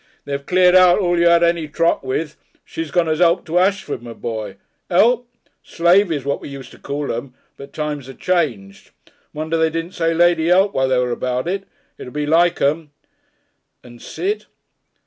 "They've cleared out all you 'ad any truck with. She's gone as help to Ashford, my boy. Help! Slavey is what we used to call 'em, but times are changed. Wonder they didn't say lady 'elp while they was about it. It 'ud be like 'em." And Sid?